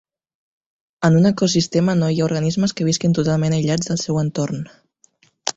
En un ecosistema no hi ha organismes que visquin totalment aïllats del seu entorn.